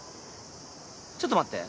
ちょっと待って。